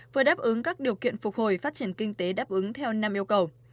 vừa đáp ứng các điều kiện phục hồi phát triển kinh tế đáp ứng theo năm yêu cầu